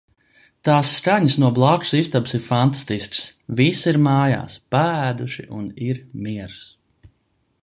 Tās skaņas no blakus istabas ir fantastiskas. Visi ir mājās, paēduši un ir miers.